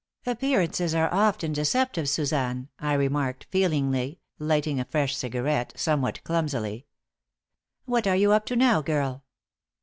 "Appearances are often deceptive, Suzanne," I remarked, feelingly, lighting a fresh cigarette, somewhat clumsily. "What are you up to now, girl?"